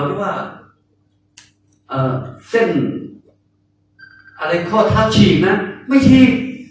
หรือว่าเอ่อเส้นอะไรข้อทับฉีกนะไม่ฉีก